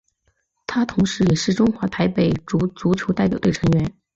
他同时也是中华台北足球代表队成员。